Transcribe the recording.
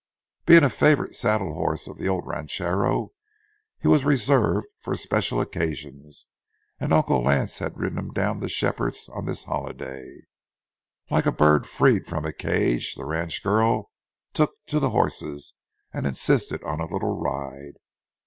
Being a favorite saddle horse of the old ranchero, he was reserved for special occasions, and Uncle Lance had ridden him down to Shepherd's on this holiday. Like a bird freed from a cage, the ranch girl took to the horses and insisted on a little ride.